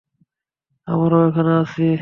আমরা এখানে আছি!